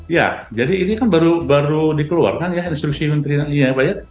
ya jadi ini kan baru dikeluarkan ya instruksi menteri yang banyak